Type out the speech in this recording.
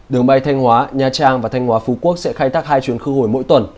đường bay thanh hóa nha trang và thanh hóa phú quốc sẽ khai thác hai chuyến khứ hồi mỗi tuần